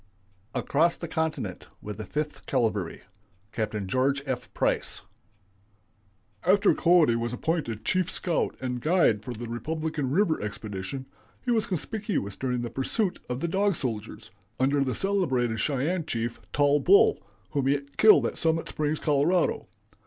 ACROSS THE CONTINENT WITH THE FIFTH CAVALRY. (Capt. George F. Price.) "After Cody was appointed chief scout and guide for the Republican River expedition, he was conspicuous during the pursuit of the Dog Soldiers, under the celebrated Cheyenne chief, Tall Bull, whom he killed at Summit Springs, Colo.